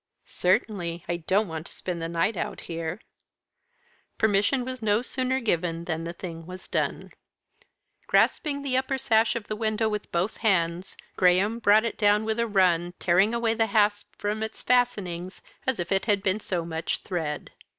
"Certainly. I don't want to spend the night out here." Permission was no sooner given than the thing was done. Grasping the upper sash of the window with both his hands, Graham brought it down with a run, tearing away the hasp from its fastening as if it had been so much thread.